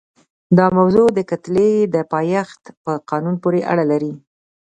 دا موضوع د کتلې د پایښت په قانون پورې اړه لري.